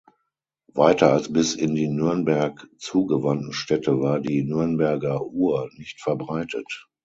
Weiter als bis in die Nürnberg „zugewandten“ Städte war die "Nürnberger Uhr" nicht verbreitet.